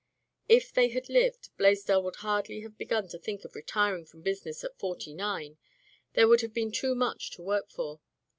If they had lived, Blaisdell would hardly have begun to think of retiring from business at forty nine; there would have been too much to work for.